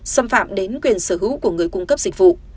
xâm phạm đến quyền sở hữu của người cung cấp dịch vụ